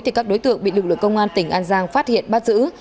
thì các đối tượng bị lực lượng công an tỉnh an giang phát hiện bắt giữ